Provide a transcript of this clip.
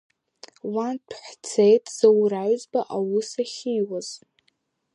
Уантә ҳцеит Заур Аҩӡба аус ахьиуаз.